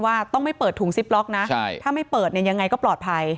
ว่าต้องไม่เปิดถุงซิปล็อกนะถ้าไม่เปิดเนี่ยยังไงก็ปลอดภัย